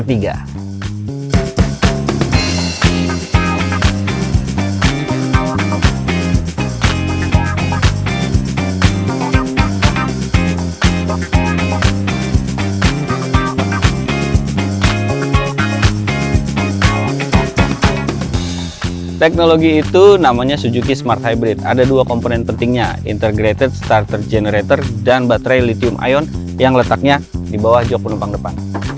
teknologi itu namanya suzuki smart hybrid ada dua komponen pentingnya integrated starter generator dan baterai lithium ion yang letaknya di bawah jok penumpang depan